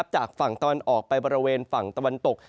จากฝั่งตะวันออกไปบริเวณฝั่งตะวันตก